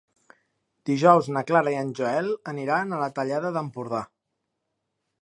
Dijous na Clara i en Joel aniran a la Tallada d'Empordà.